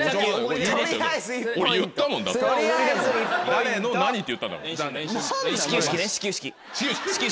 誰の何って言ったんだもん。